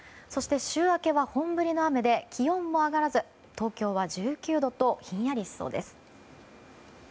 週明けは本降りの雨で気温も上がらず東京は１９度とひんやりしそうです。